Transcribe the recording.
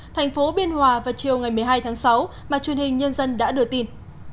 thành phố biên hòa vào chiều ngày một mươi hai tháng sáu mà truyền hình nhân dân đã đưa tin